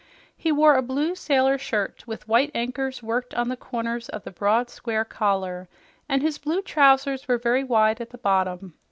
He wore a blue sailor shirt with white anchors worked on the corners of the broad, square collar, and his blue trousers were very wide at the bottom.